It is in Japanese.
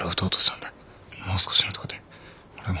もう少しのとこで俺も。